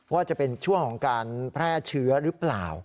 ว่าจะเป็นช่วงของการแพร่เชื้อหรือเปล่า